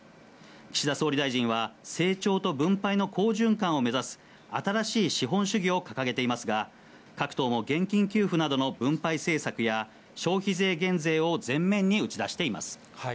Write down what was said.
岸田総理大臣は、成長と分配の好循環を目指す、新しい資本主義を掲げていますが、各党も現金給付などの分配政策や消費税減税を前面に打ち出しています。